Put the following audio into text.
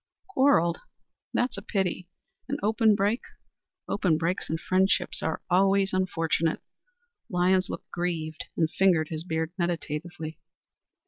"Quarrelled? That is a pity. An open break? Open breaks in friendship are always unfortunate." Lyons looked grieved, and fingered his beard meditatively.